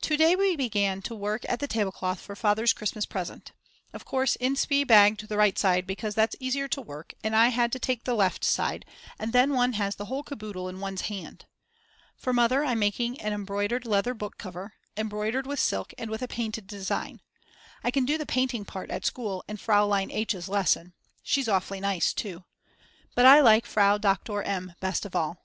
To day we began to work at the tablecloth for Father's Christmas present. Of course Inspee bagged the right side because that's easier to work at and I had to take the left side and then one has the whole caboodle on one's hand. For Mother I'm making an embroidered leather book cover, embroidered with silk and with a painted design; I can do the painting part at school in Fraulein H.'s lesson, she's awfully nice too. But I like Frau Doktor M. best of all.